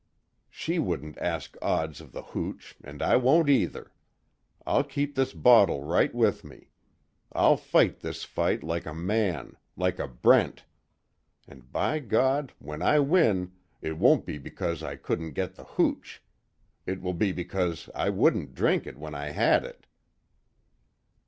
"She wouldn't ask odds of the hooch and I won't either! I'll keep this bottle right with me. I'll fight this fight like a man like a Brent! And, by God, when I win, it won't be because I couldn't get the hooch! It will be because I wouldn't drink it when I had it!"